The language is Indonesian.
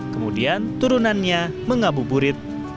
kemudian turunannya mengabuburit